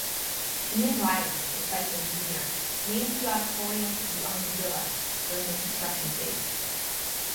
Ian Reilly, the site's engineer, named the Auditorium the Armadillo during the construction phase.